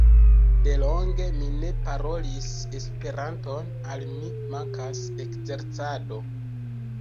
De longe mi ne parolis Esperanton, al mi mankas ekzercado.